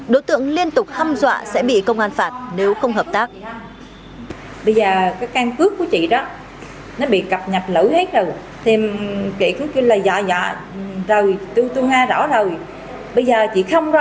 đối tượng liên tục hâm dọa sẽ bị công an phạt nếu không hợp tác